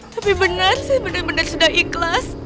tapi benar saya benar benar sudah ikhlas